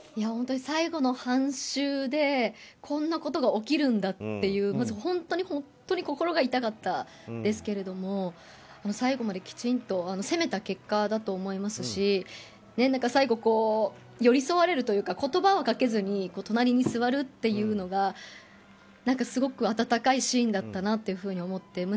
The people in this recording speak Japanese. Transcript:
最後の半周でこんなことが起きるんだっていう本当に心が痛かったですけれども最後まできちんと攻めた結果だと思いますし最後寄り添われるというか言葉をかけずに隣に座るというのがすごく温かいシーンだったなと思って。